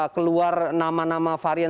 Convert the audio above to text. keluar nama nama varian